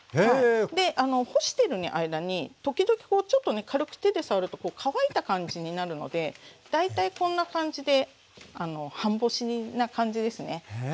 で干してる間に時々こうちょっとね軽く手で触るとこう乾いた感じになるので大体こんな感じで半干しな感じですね。